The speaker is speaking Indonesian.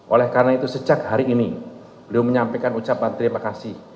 oleh karena itu sejak hari ini beliau menyampaikan ucapan terima kasih